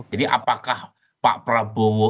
jadi apakah pak prabowo